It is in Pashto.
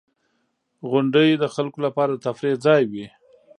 • غونډۍ د خلکو لپاره د تفریح ځای وي.